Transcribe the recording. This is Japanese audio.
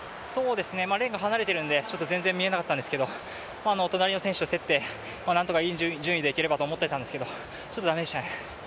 レーンが離れているので全然見えなかったんですけれども、隣の選手と競って、なんとかいい順位でいければいいなと思ってたんですけどちょっと駄目でしたね。